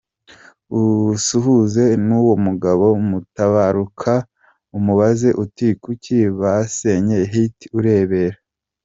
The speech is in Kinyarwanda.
Usuhuze nuwo mugabo Mutabaruka umubaze uti kuki basenya Hit urebera??.